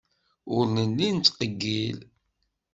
Ur nelli nettqeyyil.